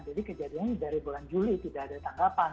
jadi kejadian ini dari bulan juli tidak ada tanggapan